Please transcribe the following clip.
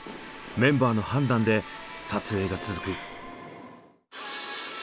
メンバーの判断で撮影が続く。